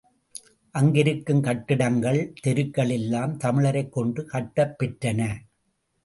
அங்கிருக்கும் கட்டிடங்கள் தெருக்கள் எல்லாம் தமிழரைக் கொண்டு கட்டப்பெற்றன.